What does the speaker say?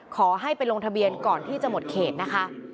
ขอให้ไปลงทะเบียนก่อนที่จะหมดเขตนะคะ